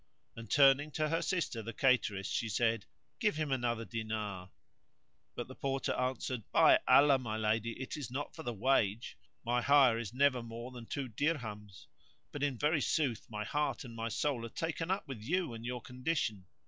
And, turning to her sister the cateress, she said, "Give him another diner!" But the Porter answered, "By Allah, my lady, it is not for the wage; my hire is never more than two dirhams; but in very sooth my heart and my soul are taken up with you and your condition.